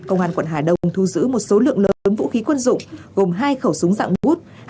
công an quận hà đông thu giữ một số lượng lớn vũ khí quân dụng gồm hai khẩu súng dạng bút